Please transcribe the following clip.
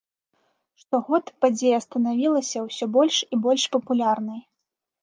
Штогод падзея станавілася ўсё больш і больш папулярнай.